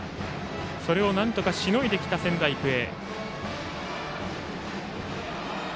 それをなんとかしのいできた仙台育英。